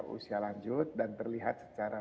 usia lanjut dan terlihat secara